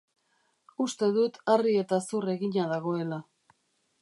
Uste dut harri eta zur egina dagoela.